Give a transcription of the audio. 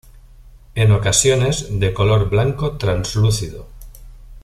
En ocasiones de color blanco translúcido.